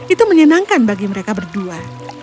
itu menyenangkan bagi mereka berdua